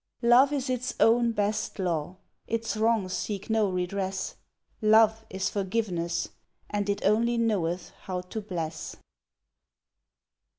Love is its own best law its wrongs seek no redress; Love is forgiveness and it only knoweth how to bless.